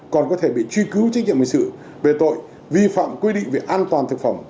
còn có thể bị truy cứu trách nhiệm hình sự về tội vi phạm quy định về an toàn thực phẩm